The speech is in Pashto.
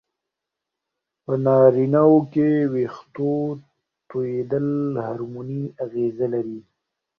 په نارینه وو کې وېښتو توېیدل هورموني اغېزه لري.